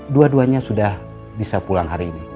dua duanya sudah bisa pulang hari ini